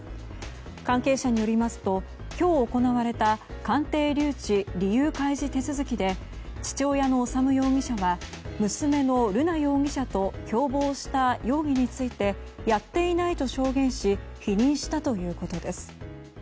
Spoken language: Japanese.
関係者によりますと今日行われた鑑定留置理由開示手続きで父親の修容疑者は娘の瑠奈容疑者と共謀した容疑についてやっていないと証言し否認したということです。